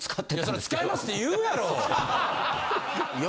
そら使えますって言うやろ。